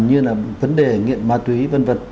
như là vấn đề nghiện ma túy v v